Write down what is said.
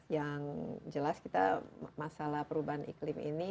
yang jelas kita masalah perubahan iklim ini